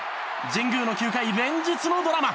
神宮の９回、連日のドラマ。